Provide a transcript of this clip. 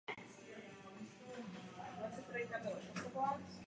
Je to důležitá otázka, kterou stále zbývá dořešit.